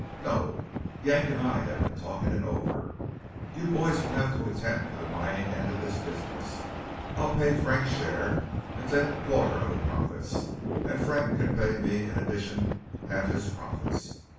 No: Yank and I have been talking it over. You boys will have to attend to the mining end of this business. I'll pay Frank's share and take a quarter of the profits, and Frank can pay me in addition half his profits.